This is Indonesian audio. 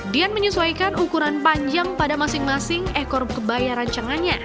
dian menyesuaikan ukuran panjang pada masing masing ekor kebaya rancangannya